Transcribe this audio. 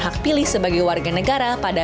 hak pilih sebagai warga negara pada